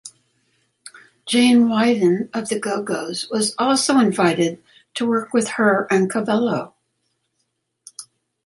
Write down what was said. Jane Wiedlin of The Go-Go's was also invited to work with her and Cavallo.